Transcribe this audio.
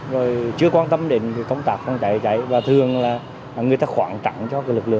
rồi chưa quan tâm đến công tác